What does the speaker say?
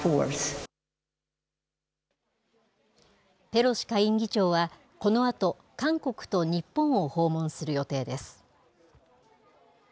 ペロシ下院議長は、このあと、韓国と日本を訪問する予定です。